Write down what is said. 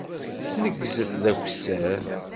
Neggzet d akessar.